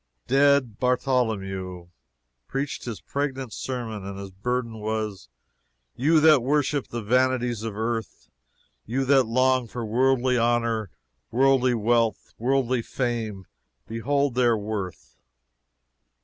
Dead Bartolomeo preached his pregnant sermon, and its burden was: You that worship the vanities of earth you that long for worldly honor, worldly wealth, worldly fame behold their worth!